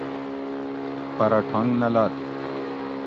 پرہ ٹھونگ نہ لد